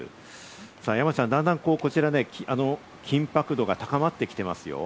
さぁ、山ちゃん、だんだんこちらね、緊迫度が高まってきています